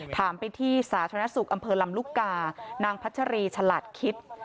ถามไปที่สาธารณสุขอำเภอลำลูกกานางพัชรีฉลาดคิด